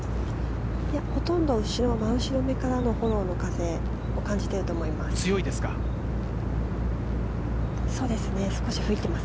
ほとんど一緒、真後ろめからのフォローの風を感じていると思います。